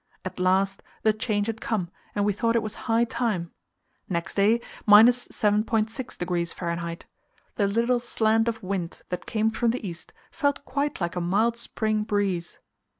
At last the change had come, and we thought it was high time. Next day, 7.6° F. The little slant of wind that came from the east felt quite like a mild spring breeze.